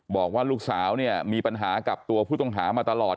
บอกว่าลูกสาวเนี่ยมีปัญหากับตัวผู้ต้องหามาตลอด